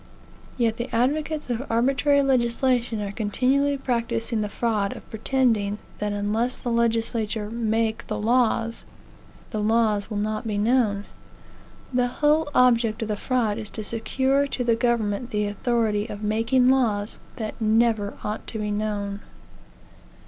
Yet the advocates of arbitrary legislation are continually practising the fraud of pretending that unless the legislature make the laws, the laws will not be known. The whole object of the fraud is to secure to the government the authority of making lawsthat never ought to be known."